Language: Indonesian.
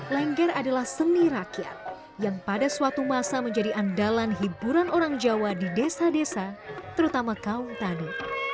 lengger adalah seni rakyat yang pada suatu masa menjadi andalan hiburan orang jawa di desa desa terutama kaum tanu